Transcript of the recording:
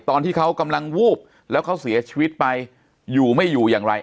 ตอนที่เขากำลังวูบแล้วเขาเสียชีวิตไปอยู่ไม่อยู่อย่างไร